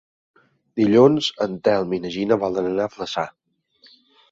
Dilluns en Telm i na Gina volen anar a Flaçà.